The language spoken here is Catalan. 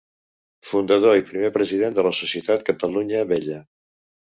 Fundador i primer president de la societat Catalunya Vella.